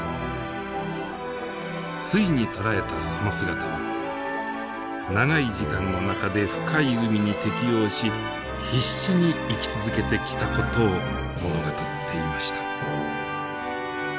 ついに捉えたその姿は長い時間の中で深い海に適応し必死に生き続けてきた事を物語っていました。